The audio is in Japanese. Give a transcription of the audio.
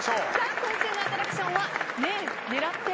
今週のアトラクションはねえ狙って。